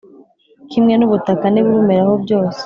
kimwe n’ubutaka n’ibibumeraho byose.